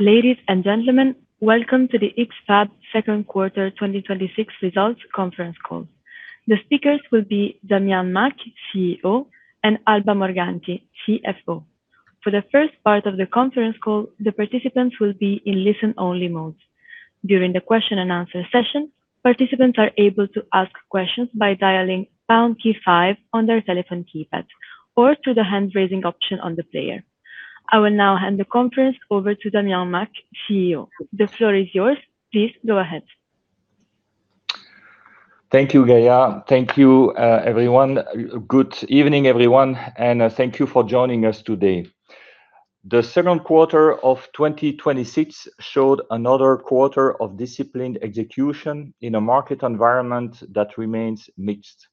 Ladies and gentlemen, welcome to the X-FAB second quarter 2026 results conference call. The speakers will be Damien Macq, CEO, and Alba Morganti, CFO. For the first part of the conference call, the participants will be in listen-only mode. During the question and answer session, participants are able to ask questions by dialing pound key five on their telephone keypad or through the hand-raising option on the player. I will now hand the conference over to Damien Macq, CEO. The floor is yours. Please go ahead. Thank you, Gaia. Thank you, everyone. Good evening, everyone, and thank you for joining us today. The second quarter of 2026 showed another quarter of disciplined execution in a market environment that remains mixed.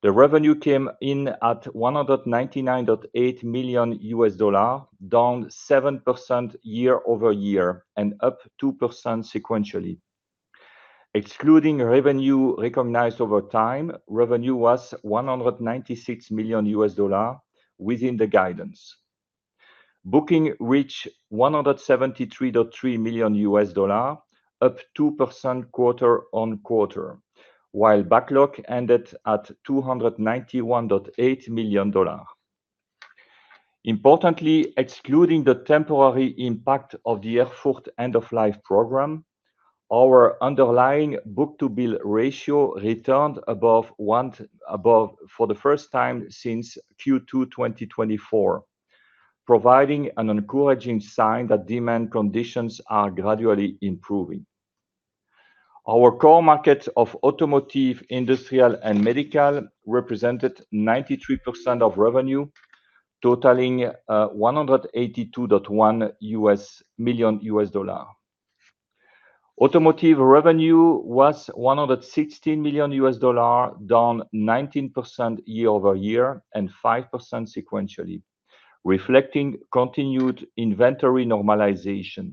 The revenue came in at $199.8 million, down 7% year-over-year and up 2% sequentially. Excluding revenue recognized over time, revenue was $196 million, within the guidance. Booking reached $173.3 million, up 2% quarter-on-quarter, while backlog ended at $291.8 million. Importantly, excluding the temporary impact of the Erfurt end-of-life program, our underlying book-to-bill ratio returned above for the first time since Q2 2024, providing an encouraging sign that demand conditions are gradually improving. Our core markets of automotive, industrial, and medical represented 93% of revenue, totaling $182.1 million. Automotive revenue was $116 million, down 19% year-over-year and 5% sequentially, reflecting continued inventory normalization.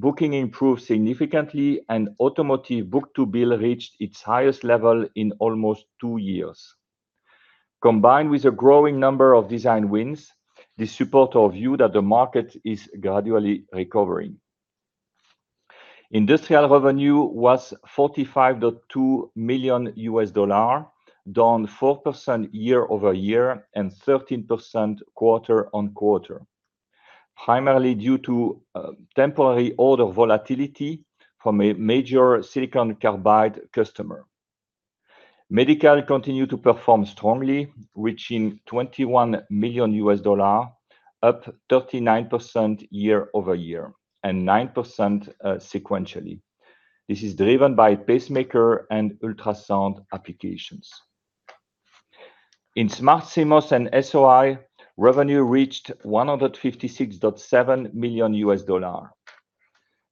Booking improved significantly, and automotive book-to-bill reached its highest level in almost two years. Combined with a growing number of design wins, this supports our view that the market is gradually recovering. Industrial revenue was $45.2 million, down 4% year-over-year, and 13% quarter-on-quarter, primarily due to temporary order volatility from a major silicon carbide customer. Medical continued to perform strongly, reaching $21 million, up 39% year-over-year and 9% sequentially. This is driven by pacemaker and ultrasound applications. In Smart CMOS and SOI, revenue reached $156.7 million.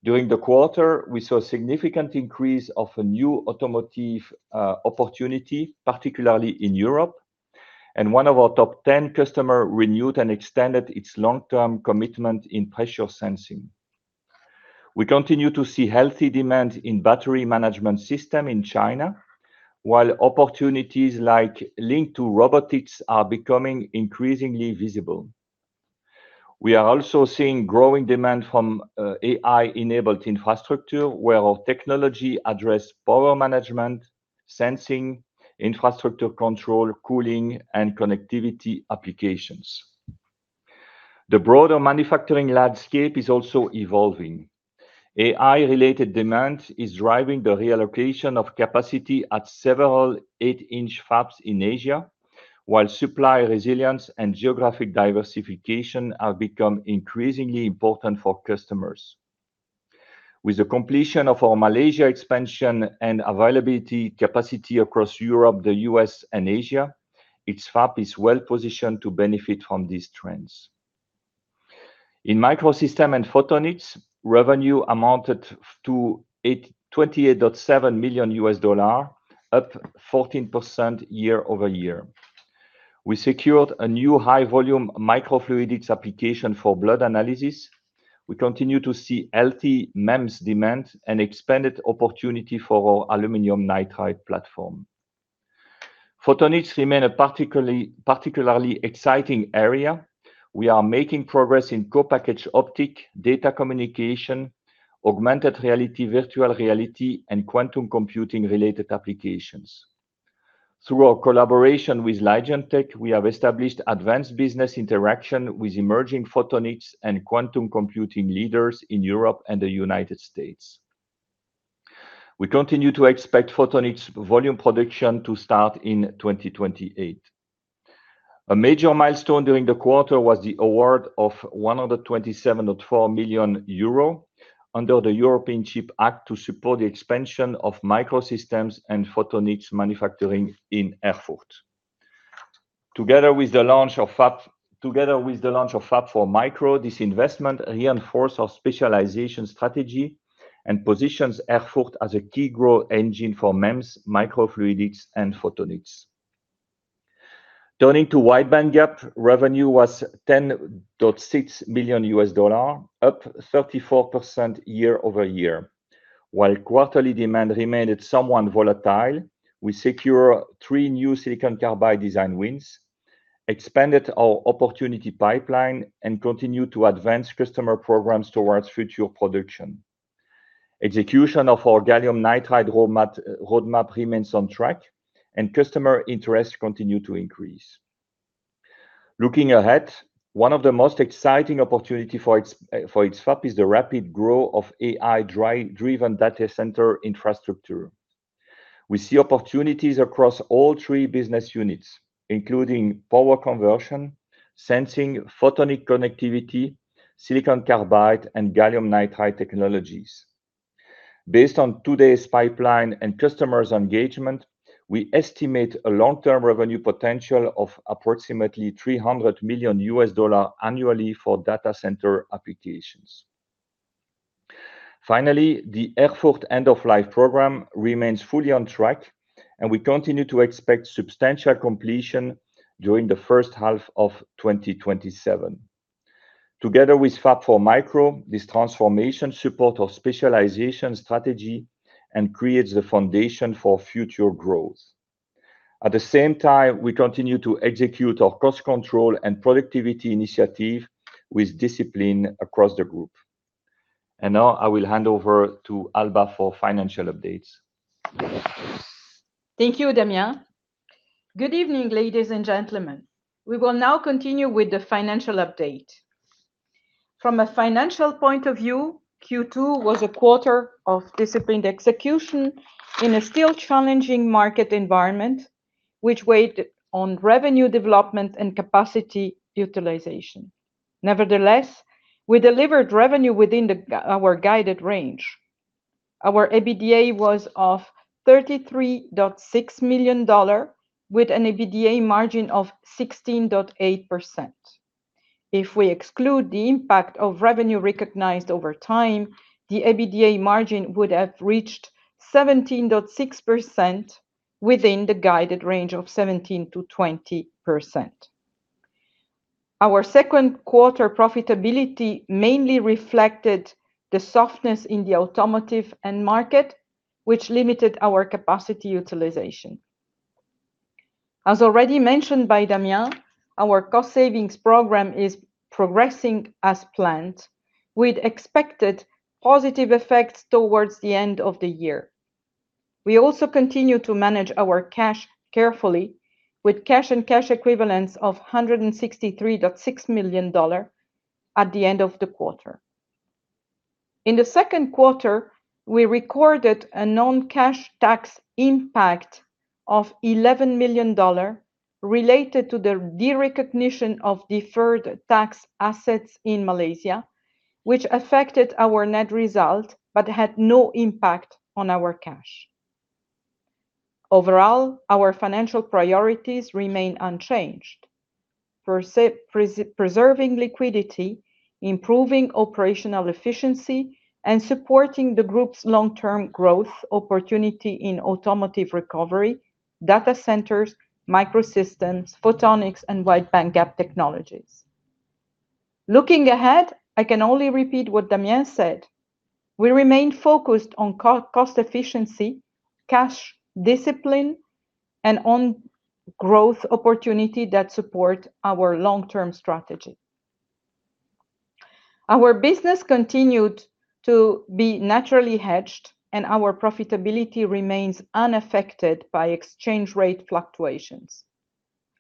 During the quarter, we saw significant increase of a new automotive opportunity, particularly in Europe, and one of our top 10 customer renewed and extended its long-term commitment in pressure sensing. We continue to see healthy demand in battery management system in China, while opportunities like linked to robotics are becoming increasingly visible. We are also seeing growing demand from AI-enabled infrastructure, where our technology address power management, sensing, infrastructure control, cooling, and connectivity applications. The broader manufacturing landscape is also evolving. AI-related demand is driving the reallocation of capacity at several eight-inch fabs in Asia, while supply resilience and geographic diversification have become increasingly important for customers. With the completion of our Malaysia expansion and availability capacity across Europe, the U.S., and Asia, X-FAB is well positioned to benefit from these trends. In Microsystems & Photonics, revenue amounted to $28.7 million, up 14% year-over-year. We secured a new high-volume microfluidics application for blood analysis. We continue to see healthy MEMS demand and expanded opportunity for our aluminum nitride platform. Photonics remain a particularly exciting area. We are making progress in co-packaged optics, data communication, augmented reality, virtual reality, and quantum computing-related applications. Through our collaboration with LIGENTEC, we have established advanced business interaction with emerging photonics and quantum computing leaders in Europe and the United States. We continue to expect photonics volume production to start in 2028. A major milestone during the quarter was the award of 127.4 million euro under the European Chips Act to support the expansion of Microsystems & Photonics manufacturing in Erfurt. Together with the launch of Fab4Micro, this investment reinforce our specialization strategy and positions Erfurt as a key growth engine for MEMS, microfluidics, and photonics. Turning to wide bandgap, revenue was $10.6 million, up 34% year-over-year. While quarterly demand remained somewhat volatile, we secure three new silicon carbide design wins, expanded our opportunity pipeline, and continue to advance customer programs towards future production. Execution of our gallium nitride roadmap remains on track, and customer interest continue to increase. Looking ahead, one of the most exciting opportunity for X-FAB is the rapid growth of AI-driven data center infrastructure. We see opportunities across all three business units, including power conversion, sensing, photonic connectivity, silicon carbide, and gallium nitride technologies. Based on today's pipeline and customers engagement, we estimate a long-term revenue potential of approximately $300 million annually for data center applications. Finally, the Erfurt end-of-life program remains fully on track, and we continue to expect substantial completion during the first half of 2027. Together with Fab4Micro, this transformation support our specialization strategy and creates the foundation for future growth. At the same time, we continue to execute our cost control and productivity initiative with discipline across the group. Now I will hand over to Alba for financial updates. Thank you, Damien. Good evening, ladies and gentlemen. We will now continue with the financial update. From a financial point of view, Q2 was a quarter of disciplined execution in a still challenging market environment, which weighed on revenue development and capacity utilization. Nevertheless, we delivered revenue within our guided range. Our EBITDA was of $33.6 million, with an EBITDA margin of 16.8%. If we exclude the impact of revenue recognized over time, the EBITDA margin would have reached 17.6% within the guided range of 17%-20%. Our second quarter profitability mainly reflected the softness in the automotive end market, which limited our capacity utilization. As already mentioned by Damien, our cost savings program is progressing as planned, with expected positive effects towards the end of the year. We also continue to manage our cash carefully with cash and cash equivalents of $163.6 million at the end of the quarter. In the second quarter, we recorded a non-cash tax impact of $11 million related to the derecognition of deferred tax assets in Malaysia, which affected our net result but had no impact on our cash. Overall, our financial priorities remain unchanged. Preserving liquidity, improving operational efficiency, and supporting the group's long-term growth opportunity in automotive recovery, data centers, microsystems, photonics, and wide bandgap technologies. Looking ahead, I can only repeat what Damien said. We remain focused on cost efficiency, cash discipline, and on growth opportunity that support our long-term strategy. Our business continued to be naturally hedged, and our profitability remains unaffected by exchange rate fluctuations.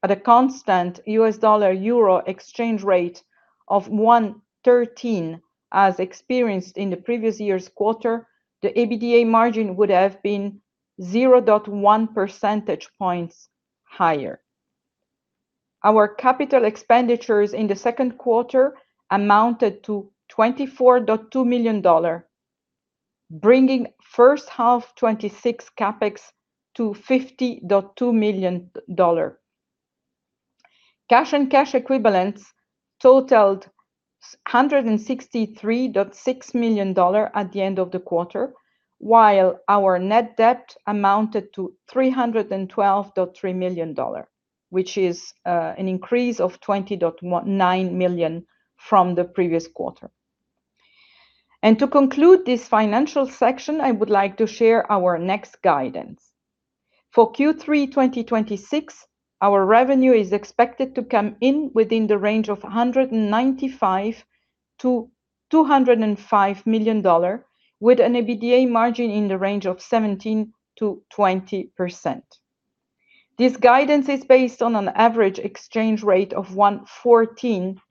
At a constant US dollar-euro exchange rate of 113, as experienced in the previous year's quarter, the EBITDA margin would have been 0.1 percentage points higher. Our capital expenditures in the second quarter amounted to $24.2 million, bringing first half 2026 CapEx to $50.2 million. Cash and cash equivalents totaled $163.6 million at the end of the quarter, while our net debt amounted to $312.3 million, which is an increase of $20.9 million from the previous quarter. To conclude this financial section, I would like to share our next guidance. For Q3 2026, our revenue is expected to come in within the range of $195 million-$205 million, with an EBITDA margin in the range of 17%-20%. This guidance is based on an average exchange rate of $114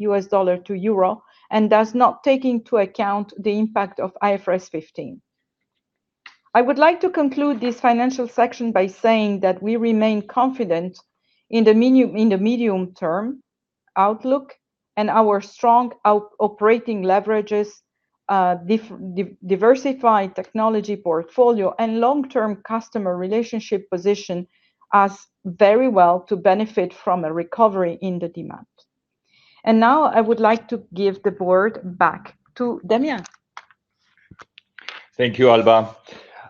to euro and does not take into account the impact of IFRS 15. I would like to conclude this financial section by saying that we remain confident in the medium-term outlook and our strong operating leverages, diversified technology portfolio, and long-term customer relationship position us very well to benefit from a recovery in the demand. Now I would like to give the board back to Damien. Thank you, Alba.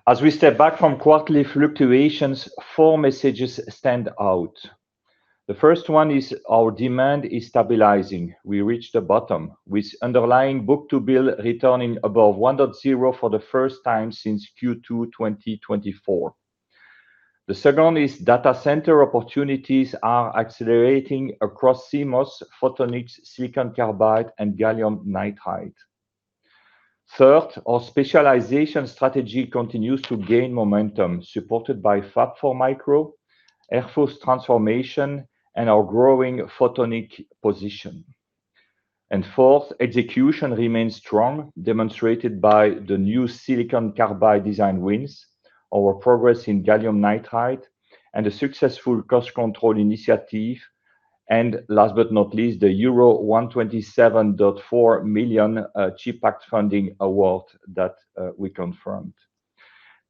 As we step back from quarterly fluctuations, four messages stand out. The first one is our demand is stabilizing. We reached the bottom, with underlying book-to-bill returning above 1.0 for the first time since Q2 2024. The second is data center opportunities are accelerating across CMOS, photonics, silicon carbide, and gallium nitride. Third, our specialization strategy continues to gain momentum, supported by Fab4Micro, Erfurt transformation, and our growing photonics position. Fourth, execution remains strong, demonstrated by the new silicon carbide design wins, our progress in gallium nitride, and a successful cost control initiative. Last but not least, the euro 127.4 million Chips Act funding award that we confirmed.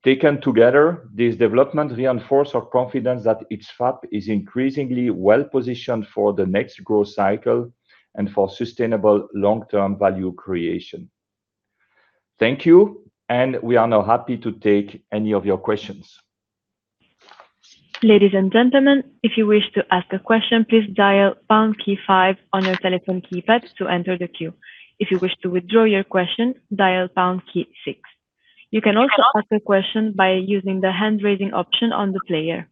Taken together, this development reinforces our confidence that X-FAB is increasingly well-positioned for the next growth cycle and for sustainable long-term value creation. Thank you. We are now happy to take any of your questions. Ladies and gentlemen, if you wish to ask a question, please dial pound key five on your telephone keypad to enter the queue. If you wish to withdraw your question, dial pound key six. You can also ask a question by using the hand-raising option on the player.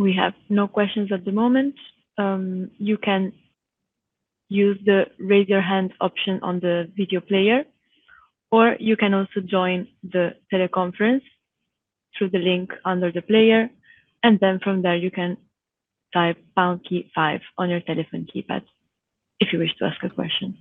We have no questions at the moment. You can use the raise your hand option on the video player, or you can also join the teleconference through the link under the player, and then from there, you can dial pound key five on your telephone keypad if you wish to ask a question.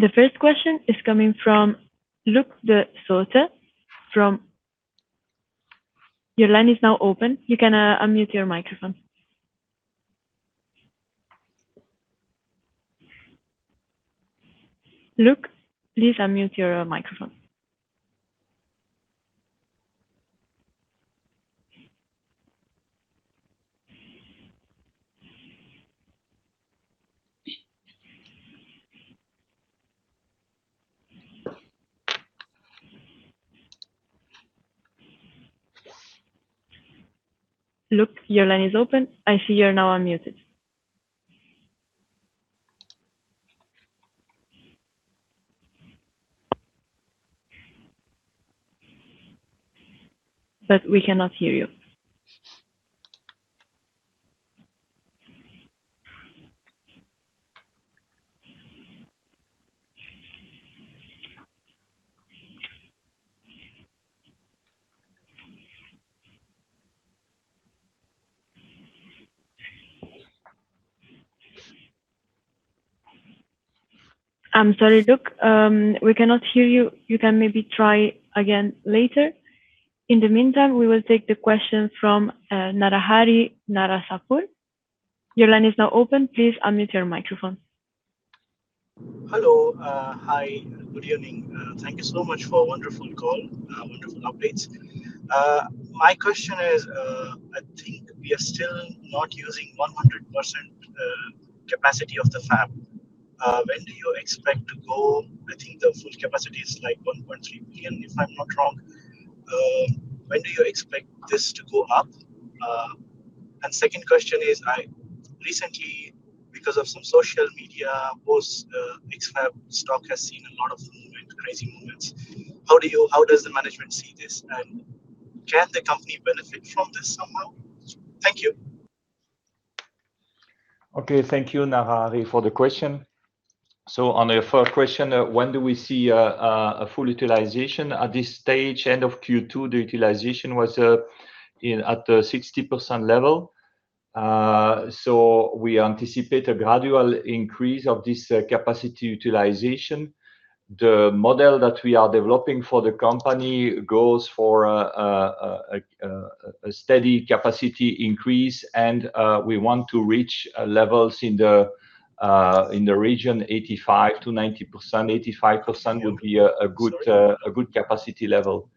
The first question is coming from Luc Desoete. Your line is now open. You can unmute your microphone. Luc, please unmute your microphone. Luc, your line is open. I see you are now unmuted. We cannot hear you. I'm sorry, Luc. We cannot hear you. You can maybe try again later. In the meantime, we will take the question from Narahari Narasapur. Your line is now open. Please unmute your microphone. Hello. Hi. Good evening. Thank you so much for a wonderful call, wonderful updates. My question is, I think we are still not using 100% capacity of the fab. When do you expect to go-- I think the full capacity is like $1.3 billion, if I'm not wrong. When do you expect this to go up? Second question is, recently, because of some social media posts, X-FAB stock has seen a lot of movement, crazy movements. How does the management see this, and can the company benefit from this somehow? Thank you. Okay. Thank you, Narahari, for the question. On your first question, when do we see a full utilization? At this stage, end of Q2, the utilization was at the 60% level. We anticipate a gradual increase of this capacity utilization. The model that we are developing for the company goes for a steady capacity increase, and we want to reach levels in the region 85%-90%. 85% would be a good capacity level.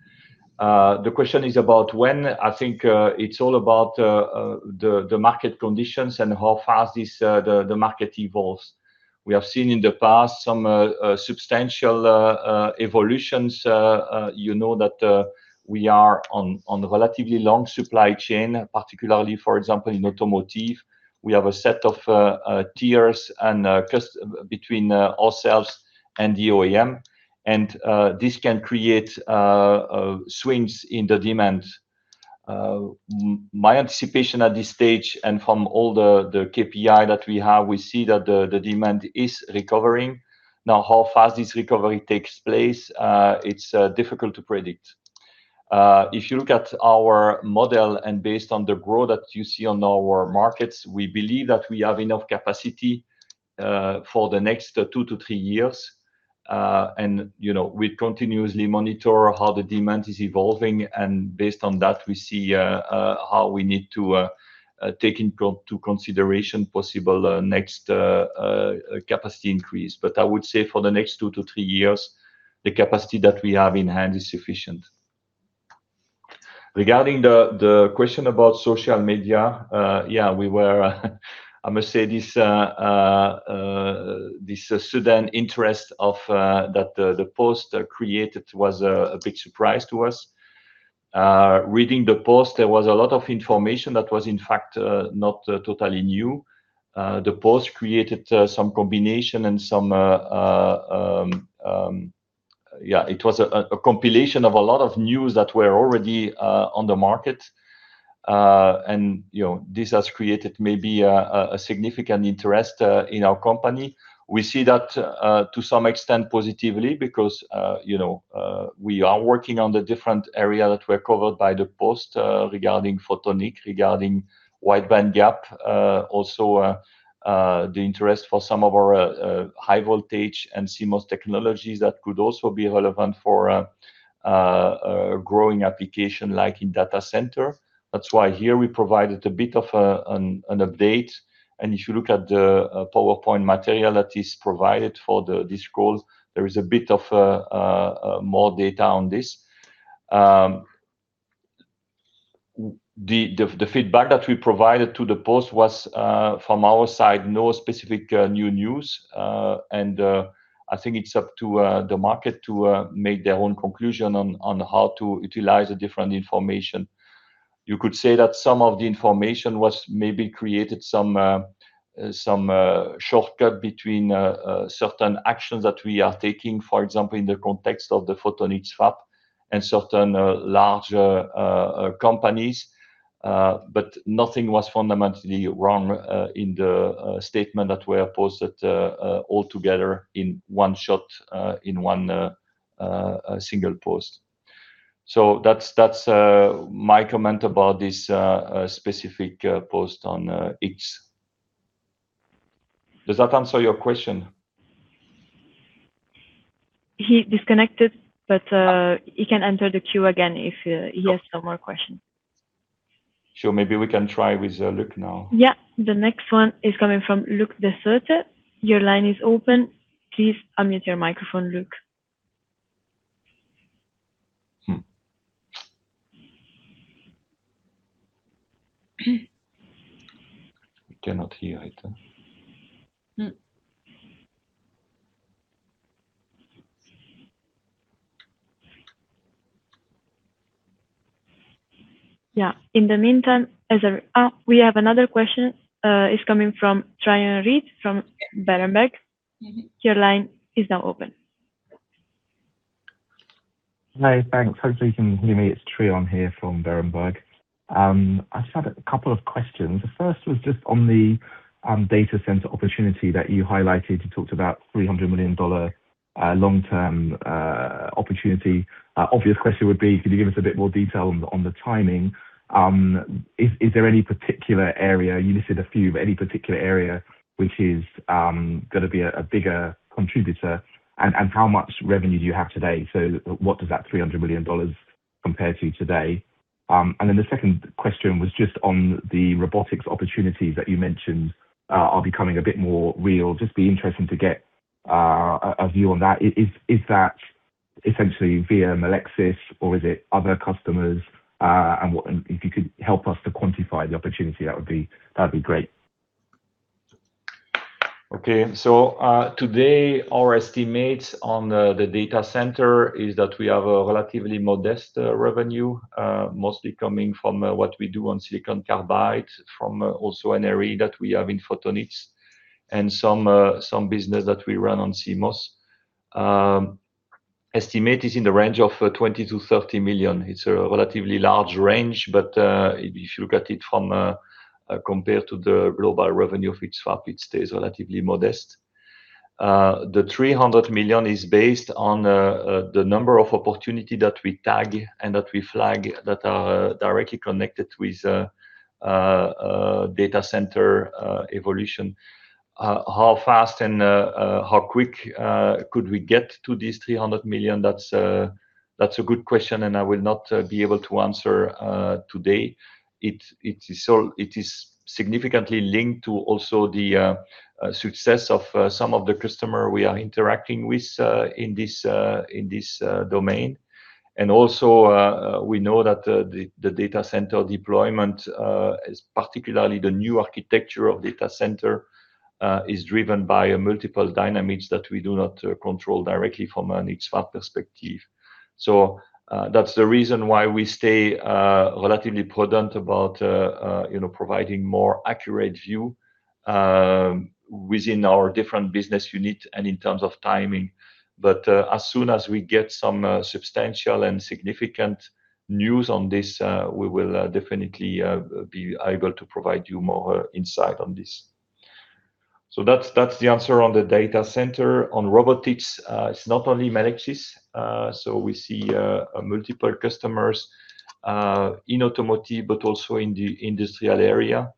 The question is about when. I think it's all about the market conditions and how fast the market evolves. We have seen in the past some substantial evolutions. You know that we are on a relatively long supply chain, particularly, for example, in automotive. We have a set of tiers between ourselves and the OEM, this can create swings in the demand. My anticipation at this stage and from all the KPI that we have, we see that the demand is recovering. How fast this recovery takes place, it's difficult to predict. If you look at our model and based on the growth that you see on our markets, we believe that we have enough capacity for the next two to three years. We continuously monitor how the demand is evolving, and based on that, we see how we need to take into consideration possible next capacity increase. I would say for the next two to three years, the capacity that we have in hand is sufficient. Regarding the question about social media, yeah, we were I must say this sudden interest that the post created was a big surprise to us. Reading the post, there was a lot of information that was, in fact, not totally new. The post created some combination. It was a compilation of a lot of news that were already on the market. This has created maybe a significant interest in our company. We see that to some extent positively because we are working on the different area that were covered by the post regarding photonics, regarding wide bandgap. Also, the interest for some of our high voltage and CMOS technologies that could also be relevant for a growing application like in data center. That's why here we provided a bit of an update, and if you look at the PowerPoint material that is provided for this call, there is a bit of more data on this. The feedback that we provided to the post was, from our side, no specific new news. I think it's up to the market to make their own conclusion on how to utilize the different information. You could say that some of the information was maybe created some shortcut between certain actions that we are taking, for example, in the context of the photonics fab and certain larger companies. Nothing was fundamentally wrong in the statement that were posted all together in one shot, in one single post. That's my comment about this specific post on X. Does that answer your question? He disconnected, he can enter the queue again if he has some more questions. Sure. Maybe we can try with Luc now. Yeah. The next one is coming from Luc Desoete. Your line is open. Please unmute your microphone, Luc. We cannot hear it. Yeah. In the meantime, we have another question. It's coming from Trion Reid from Berenberg. Your line is now open. Hi. Thanks. Hopefully you can hear me. It's Trion here from Berenberg. I just had a couple of questions. The first was just on the data center opportunity that you highlighted. You talked about $300 million long-term opportunity. Obvious question would be, could you give us a bit more detail on the timing? You listed a few, but any particular area which is going to be a bigger contributor, and how much revenue do you have today? What does that $300 million compare to today? The second question was just on the robotics opportunities that you mentioned are becoming a bit more real. It would be interesting to get a view on that. Is that essentially via Melexis or is it other customers? If you could help us to quantify the opportunity, that would be great. Okay. Today our estimates on the data center is that we have a relatively modest revenue, mostly coming from what we do on silicon carbide, from also an array that we have in photonics, and some business that we run on CMOS. Estimate is in the range of $20 million-$30 million. It's a relatively large range, but if you look at it compared to the global revenue of X-FAB, it stays relatively modest. The $300 million is based on the number of opportunity that we tag and that we flag that are directly connected with data center evolution. How fast and how quick could we get to this $300 million? That's a good question. I will not be able to answer today. It is significantly linked to also the success of some of the customer we are interacting with in this domain. We know that the data center deployment, particularly the new architecture of data center, is driven by a multiple dynamics that we do not control directly from an X-FAB perspective. That's the reason why we stay relatively prudent about providing more accurate view within our different business unit and in terms of timing. As soon as we get some substantial and significant news on this, we will definitely be able to provide you more insight on this. That's the answer on the data center. On robotics, it's not only Melexis. We see multiple customers in automotive, but also in the industrial area,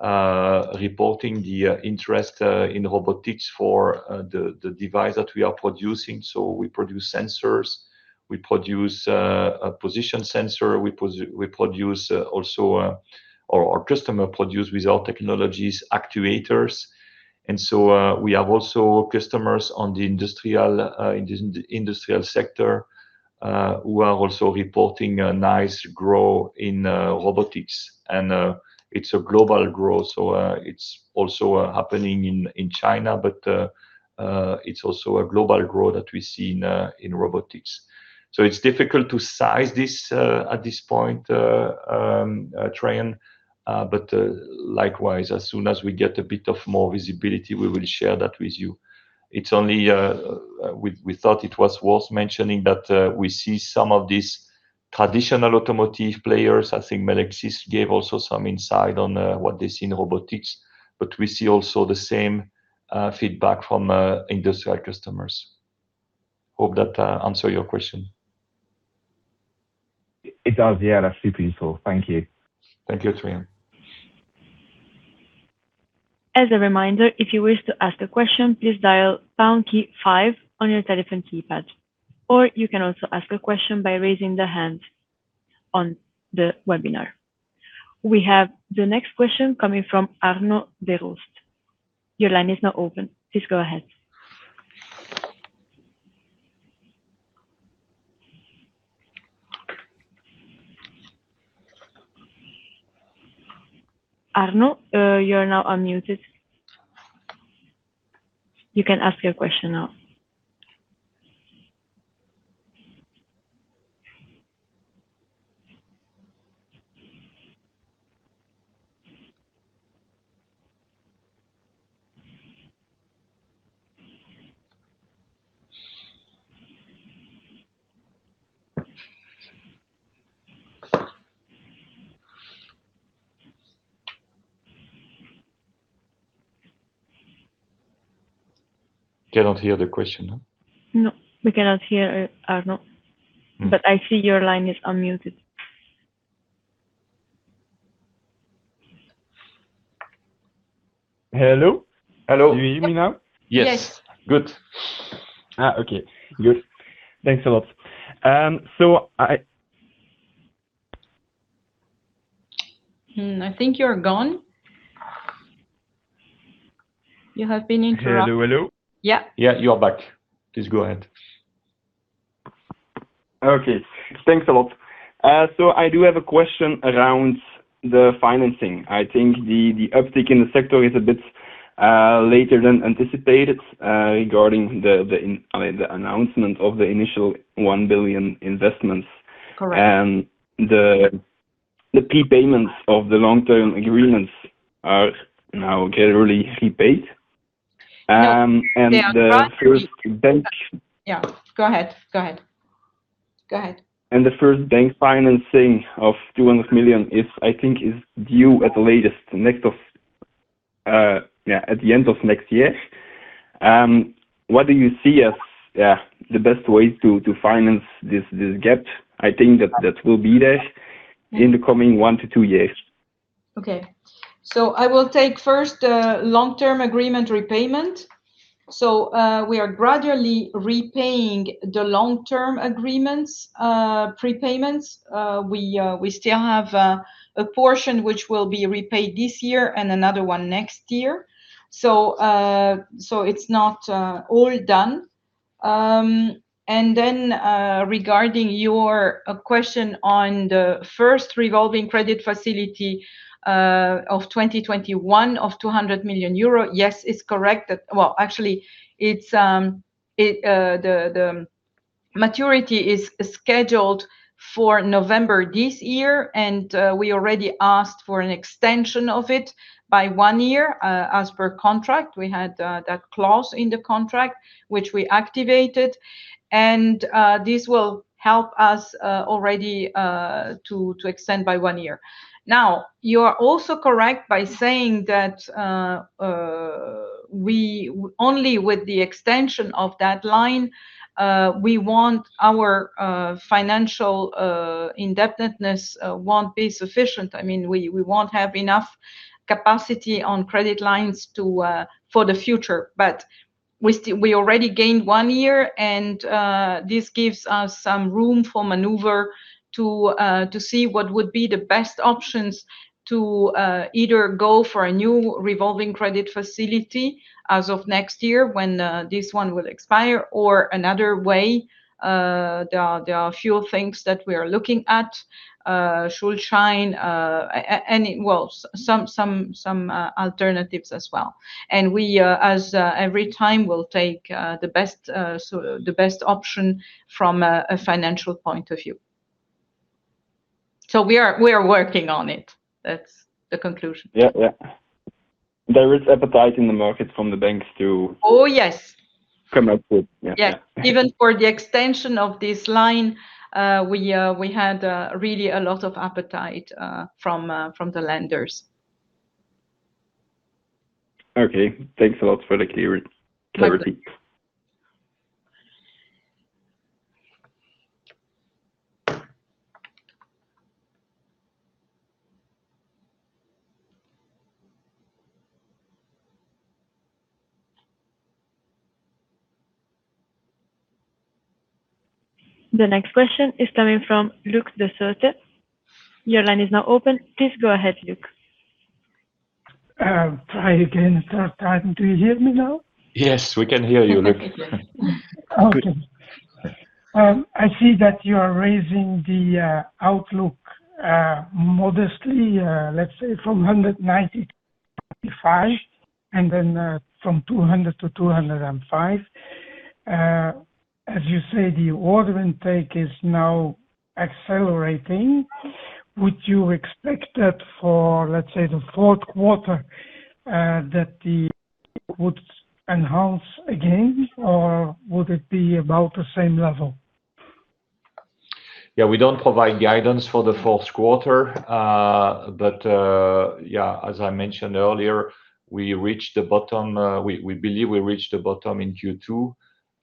reporting the interest in robotics for the device that we are producing. We produce sensors, we produce a position sensor, our customer produce with our technologies, actuators. We have also customers on the industrial sector who are also reporting a nice growth in robotics. It's a global growth. It's also happening in China, it's also a global growth that we see in robotics. It's difficult to size this at this point, Trion. Likewise, as soon as we get a bit of more visibility, we will share that with you. We thought it was worth mentioning that we see some of these traditional automotive players. I think Melexis gave also some insight on what they see in robotics, but we see also the same feedback from industrial customers. I hope that answer your question. It does, yeah. That's super useful. Thank you. Thank you, Trion. As a reminder, if you wish to ask a question, please dial pound key five on your telephone keypad, or you can also ask a question by raising the hand on the webinar. We have the next question coming from Arnaud Derosier. Your line is now open. Please go ahead. Arnaud, you are now unmuted. You can ask your question now. Cannot hear the question, huh? No, we cannot hear Arnaud. I see your line is unmuted. Hello? Hello. Can you hear me now? Yes. Yes. Good. Okay, good. Thanks a lot. I think you're gone. You have been interrupted. Hello, hello? Yeah. Yeah, you are back. Please go ahead. Okay. Thanks a lot. I do have a question around the financing. I think the uptick in the sector is a bit later than anticipated regarding the announcement of the initial $1 billion investments. Correct. The prepayments of the long-term agreements are now generally prepaid. Yeah, go ahead. Go ahead. Go ahead. The first bank financing of $200 million is, I think, is due at latest, yeah, at the end of next year. What do you see as the best way to finance this gap? I think that that will be there in the coming one to two years. I will take first long-term agreement repayment. We are gradually repaying the long-term agreements prepayments. We still have a portion which will be repaid this year and another one next year. It's not all done. Regarding your question on the first revolving credit facility of 2021 of 200 million euro, yes, it's correct that the maturity is scheduled for November this year, and we already asked for an extension of it by one year as per contract. We had that clause in the contract which we activated, and this will help us already to extend by one year. You are also correct by saying that only with the extension of that line our financial indebtedness won't be sufficient. We won't have enough capacity on credit lines for the future. We already gained one year, and this gives us some room for maneuver to see what would be the best options to either go for a new revolving credit facility as of next year when this one will expire or another way. There are a few things that we are looking at. Schuldschein, and some alternatives as well. We as every time will take the best option from a financial point of view. We are working on it. That's the conclusion. Yeah. There is appetite in the market from the banks to- Oh, yes. come up with. Yeah. Yeah. Even for the extension of this line, we had really a lot of appetite from the lenders. Okay. Thanks a lot for the clarity. No problem. The next question is coming from Luc Desoete. Your line is now open. Please go ahead, Luc. I'll try again. It's hard. Do you hear me now? Yes, we can hear you, Luc. Okay. I see that you are raising the outlook modestly, let's say from $195 million, and then from $200 million-$205 million. As you say, the order intake is now accelerating. Would you expect that for, let's say, the fourth quarter, that it would enhance again, or would it be about the same level? Yeah, we don't provide guidance for the fourth quarter. Yeah, as I mentioned earlier, we believe we reached the bottom in Q2,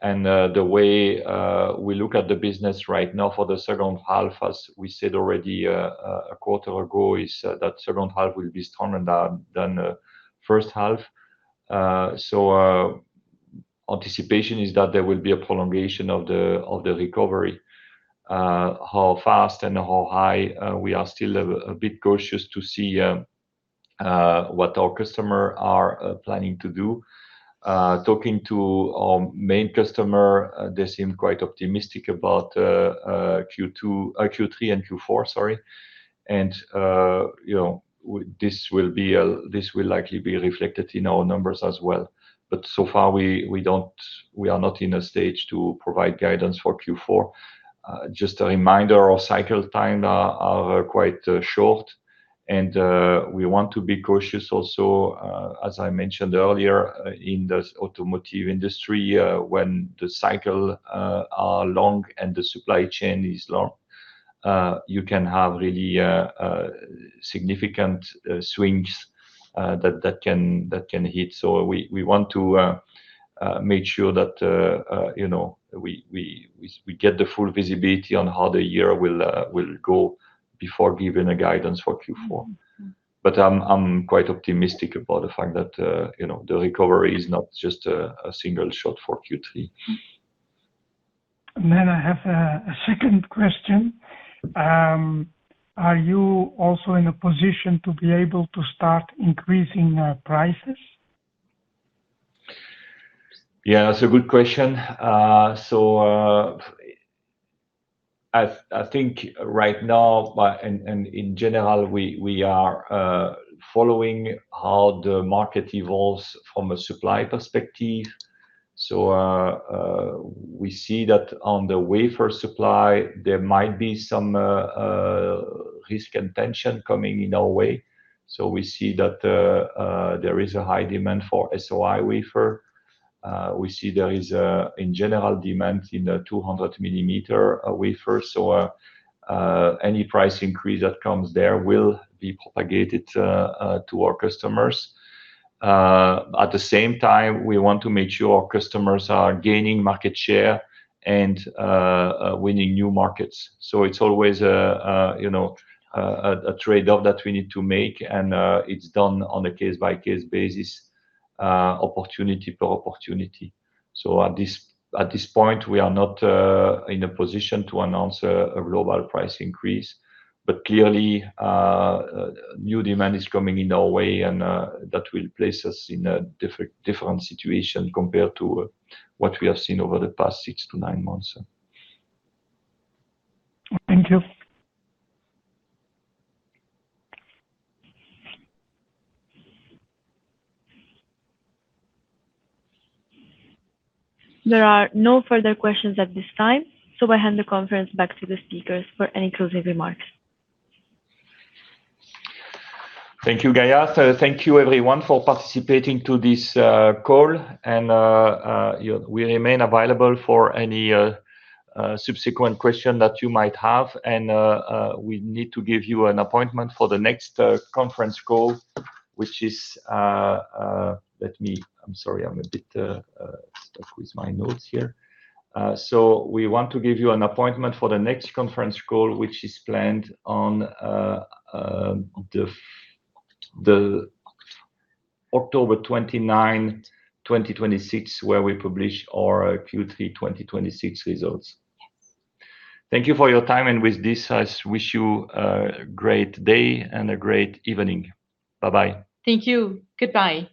and the way we look at the business right now for the second half, as we said already a quarter ago, is that second half will be stronger than first half. Anticipation is that there will be a prolongation of the recovery. How fast and how high, we are still a bit cautious to see what our customer are planning to do. Talking to our main customer, they seem quite optimistic about Q3 and Q4, sorry, and this will likely be reflected in our numbers as well. So far, we are not in a stage to provide guidance for Q4. Just a reminder, our cycle time are quite short and we want to be cautious also. As I mentioned earlier, in the automotive industry, when the cycle are long and the supply chain is long, you can have really significant swings that can hit. We want to make sure that we get the full visibility on how the year will go before giving a guidance for Q4. I'm quite optimistic about the fact that the recovery is not just a single shot for Q3. I have a second question. Are you also in a position to be able to start increasing prices? Yeah, that's a good question. I think right now, and in general, we are following how the market evolves from a supply perspective. We see that on the wafer supply, there might be some risk and tension coming in our way. We see that there is a high demand for SOI wafer. We see there is a, in general, demand in the 200 millimeter wafer. Any price increase that comes there will be propagated to our customers. At the same time, we want to make sure our customers are gaining market share and winning new markets. It's always a trade-off that we need to make, and it's done on a case-by-case basis, opportunity per opportunity. At this point, we are not in a position to announce a global price increase. Clearly, new demand is coming in our way, and that will place us in a different situation compared to what we have seen over the past six to nine months. Thank you. There are no further questions at this time, I hand the conference back to the speakers for any closing remarks. Thank you, Gaia. Thank you everyone for participating to this call. We remain available for any subsequent question that you might have. We need to give you an appointment for the next conference call. I'm sorry, I'm a bit stuck with my notes here. We want to give you an appointment for the next conference call, which is planned on October 29, 2026, where we publish our Q3 2026 results. Thank you for your time, and with this, I wish you a great day and a great evening. Bye-bye. Thank you. Goodbye.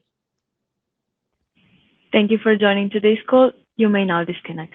Thank you for joining today's call. You may now disconnect.